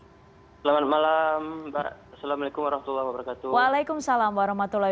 selamat malam assalamualaikum wr wb